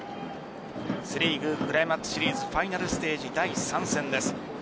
セ・リーグクライマックスシリーズファイナルステージ第３戦です。